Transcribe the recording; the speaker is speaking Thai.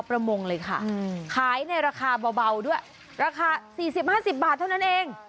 ราคาเบาด้วยราคา๔๐๕๐บาทเท่านั้นเอง